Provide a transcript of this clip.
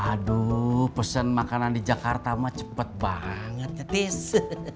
aduh pesen makanan di jakarta mah cepet banget ya tise